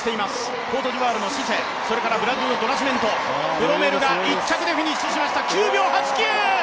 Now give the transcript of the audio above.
ブロメルが１着でフィニッシュしました、９秒８９。